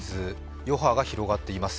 余波が広がっています。